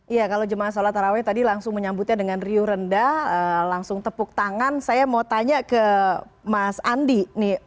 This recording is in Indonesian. iya kalau jemaah sholat taraweh tadi langsung menyambutnya dengan riuh rendah langsung tepuk tangan saya mau tanya ke mas andi